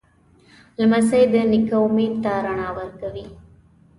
لمسی د نیکه امید ته رڼا ورکوي.